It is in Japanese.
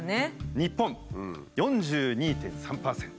日本４２．３％。